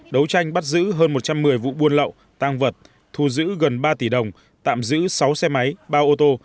đấu tranh bắt giữ hơn một trăm một mươi vụ buôn lậu tăng vật thu giữ gần ba tỷ đồng tạm giữ sáu xe máy ba ô tô